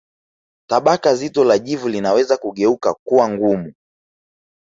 Tabaka zito la jivu linaweza kugeuka kuwa ngumu